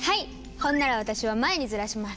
ほんなら私は前にずらします！